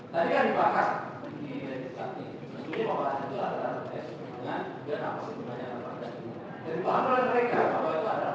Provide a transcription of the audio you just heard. tadi kan dipaham di legislatif itu adalah berdasarkan apa sih kemampuan yang terjadi